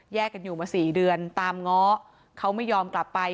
กันอยู่มาสี่เดือนตามง้อเขาไม่ยอมกลับไป